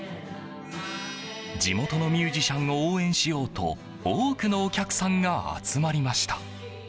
地元のミュージシャンを応援しようと多くのお客さんが集まりました。